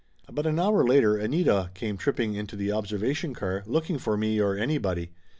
About an hour later Anita came tripping into the observation car, looking for me or anybody.